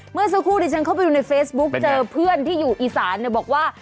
เมื่อสักครู่ที่ฉันเข้าไปดูในเฟซบุ๊กเจอเพื่อนที่อยู่อีสานบอกว่า